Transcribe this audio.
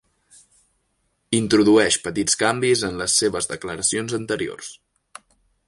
Introdueix petits canvis en les seves declaracions anteriors.